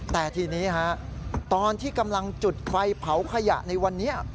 แต่ทีนี้ตอนที่กำลังจุดไฟเผาขยะในวันนี้